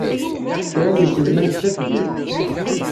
Kra n yiselman ttafgen.